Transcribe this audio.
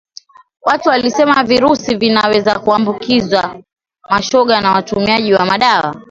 watu walisema virusi vinaweza kuambukiza mashoga na watumiaji wa madawa